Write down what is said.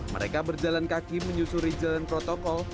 mereka berjalan kaki menyusuri jalan protokol